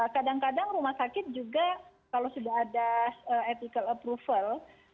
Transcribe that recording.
kadang kadang rumah sakit juga kalau sudah ada ethical approval